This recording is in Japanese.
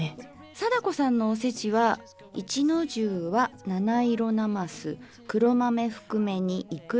貞子さんのおせちは一の重は七色なます黒豆ふくめ煮イクラのきんかんづめ。